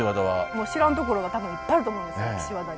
もう知らんところが多分いっぱいあると思うんですよ岸和田に。